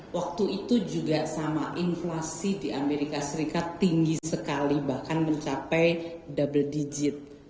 waktu itu juga sama inflasi di amerika serikat tinggi sekali bahkan mencapai double digit